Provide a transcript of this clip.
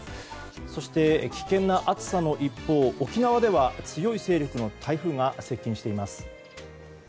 そして、危険な暑さの一方沖縄では強い勢力の台風が接近しています。